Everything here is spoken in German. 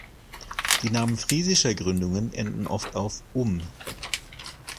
Die Namen friesischer Gründungen enden oft auf „-"um"“.